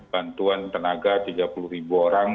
bantuan tenaga tiga puluh ribu orang